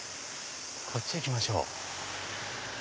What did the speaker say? こっち行きましょう。